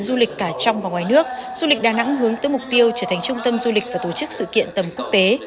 du lịch cả trong và ngoài nước du lịch đà nẵng hướng tới mục tiêu trở thành trung tâm du lịch và tổ chức sự kiện tầm quốc tế